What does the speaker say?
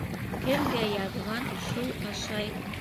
Кемгә яҙған шул ашай.